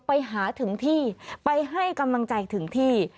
ไปหาถึงที่ไปให้กำลังใจถึงที่